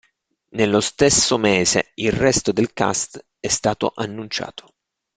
Nello stesso mese, il resto del cast è stato annunciato.